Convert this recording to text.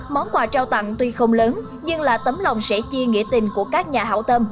món quà trao tặng tuy không lớn nhưng là tấm lòng sẽ chia nghĩa tình của các nhà hảo tâm